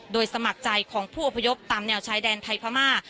โดยสมัครใจของผู้อพยพตามแนวชายแดนไทยพม่า